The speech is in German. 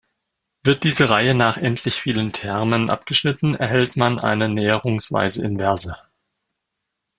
Wird diese Reihe nach endlich vielen Termen abgeschnitten, erhält man eine näherungsweise Inverse.